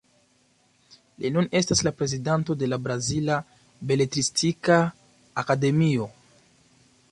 Li nun estas la prezidanto de la Brazila Beletristika Akademio.